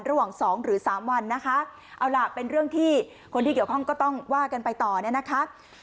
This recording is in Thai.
ระหว่างสองหรือสามวันนะคะเอาล่ะเป็นเรื่องที่คนที่เกี่ยวข้องก็ต้องว่ากันไปต่อเนี่ยนะคะ